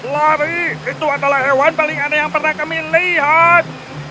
lari itu adalah hewan paling aneh yang pernah kami lihat